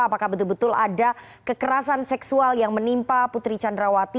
apakah betul betul ada kekerasan seksual yang menimpa putri candrawati